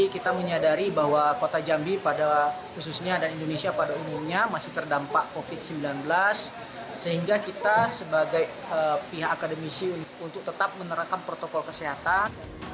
khususnya dan indonesia pada umumnya masih terdampak covid sembilan belas sehingga kita sebagai pihak akademisi untuk tetap menerapkan protokol kesehatan